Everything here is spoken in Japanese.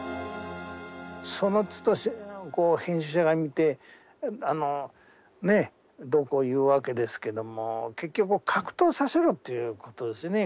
そのこう編集者が見てあのねえどうこう言うわけですけども結局「格闘させろ」っていうことですよね